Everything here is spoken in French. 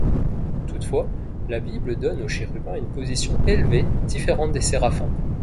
Toutefois, la Bible donne aux chérubins une position élevée différente des séraphins.